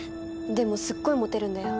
でもすっごいモテるんだよ。